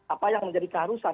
apa yang menjadi keharusan